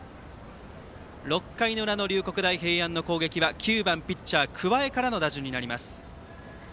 ６回裏、龍谷大平安の攻撃は９番ピッチャー桑江からの打順になります。